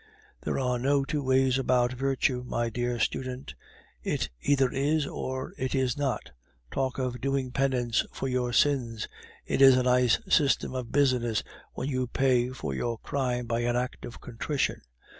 There are no two ways about virtue, my dear student; it either is, or it is not. Talk of doing penance for your sins! It is a nice system of business, when you pay for your crime by an act of contrition!